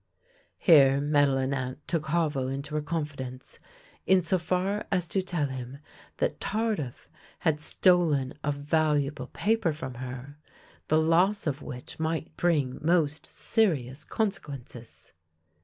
Here Madelinette took Havel into her confidence, in so far as to tell him that Tardif had stolen a valuable paper from her, the loss of which might bring most serious consequences.